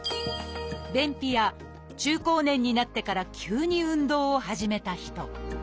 便秘や中高年になってから急に運動を始めた人。